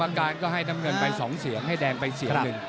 อาการก็ให้น้ำเงินไป๒เสียงให้แดงไปเสียงหนึ่ง